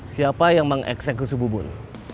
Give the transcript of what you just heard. siapa yang mengeksekusi bubun